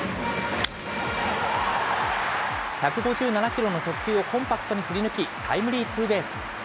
１５７キロの速球をコンパクトに振り抜き、タイムリーツーベース。